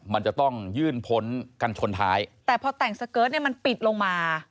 มันจะต้องยื่นพ้นกันชนท้ายแต่พอแต่งสเกิร์ตเนี่ยมันปิดลงมา